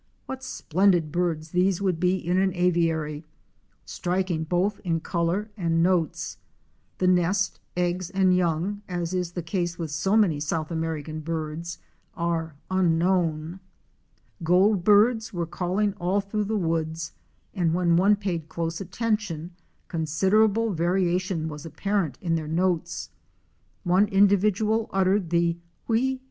What splendid birds these would be in an aviary, striking both in color and notes. The nest, eggs and young, as is the case with so many South American birds, are unknown. Goldbirds '* were calling all through the woods, and when one paid close attention, considerable variation was apparent in their notes. One individual uttered the wheé!